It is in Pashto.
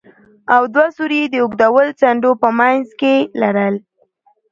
او دوه سوري يې د اوږدو څنډو په منځ کښې لرل.